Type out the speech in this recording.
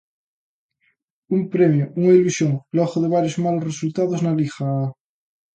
Un premio, unha ilusión logo de varios malos resultados na Liga...